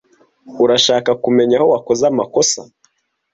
Urashaka kumenya aho wakoze amakosa?